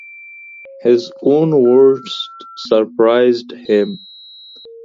His own words surprised him.